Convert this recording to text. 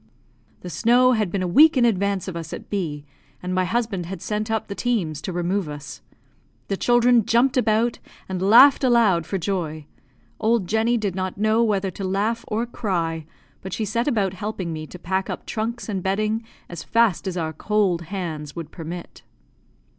The snow had been a week in advance of us at B , and my husband had sent up the teams to remove us. The children jumped about, and laughed aloud for joy. Old Jenny did not know whether to laugh or cry, but she set about helping me to pack up trunks and bedding as fast as our cold hands would permit.